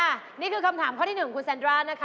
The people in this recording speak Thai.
อ่ะนี่คือคำถามข้อที่๑ของคุณแซนดรานะคะ